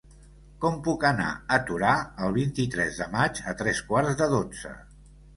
Com puc anar a Torà el vint-i-tres de maig a tres quarts de dotze?